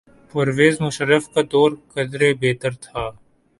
پرویز مشرف کا دور قدرے بہتر تھا۔